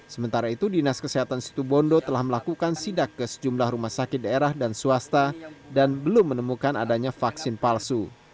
sementara itu dinas kesehatan situbondo telah melakukan sidak ke sejumlah rumah sakit daerah dan swasta dan belum menemukan adanya vaksin palsu